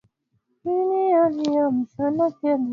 winnie aliamshwa na makelele ya kushangaza